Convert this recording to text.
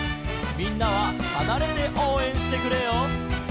「みんなははなれておうえんしてくれよ」